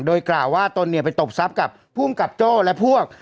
โดยกล่าวว่าตนเนี่ยไปตบทรัพย์กับภูมิกับโจ้และพวก